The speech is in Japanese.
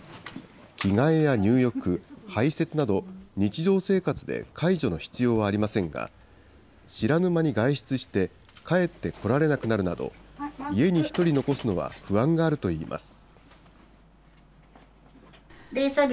着替えや入浴、排せつなど、日常生活で介助の必要はありませんが、知らぬ間に外出して、帰ってこられなくなるなど、家に一人残すのは不安があるといいます。